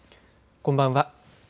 こんばんは。